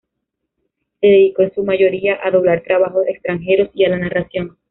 Se dedicó, en su mayoría, a doblar trabajos extranjeros y a la narración.